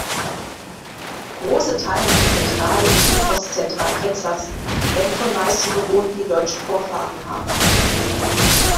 Große Teile von Zentral- und Südost-Zentral-Texas werden von Weißen bewohnt, die deutsche Vorfahren haben.